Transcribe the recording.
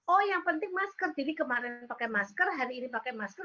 oh yang penting masker jadi kemarin pakai masker hari ini pakai masker